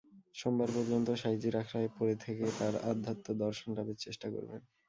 সোমবার পর্যন্ত সাঁইজির আখড়ায় পড়ে থেকে তাঁর আধ্যাত্ম-দর্শন লাভের চেষ্টা করবেন।